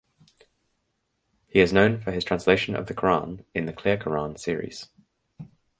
He is known for his translation of the Quran in "The Clear Quran" series.